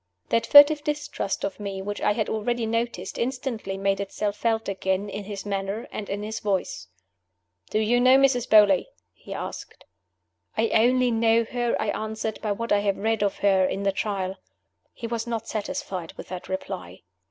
That furtive distrust of me which I had already noticed instantly made itself felt again in his manner and in his voice. "Do you know Mrs. Beauly?" he asked. "I only know her," I answered, "by what I have read of her in the Trial." He was not satisfied with that reply.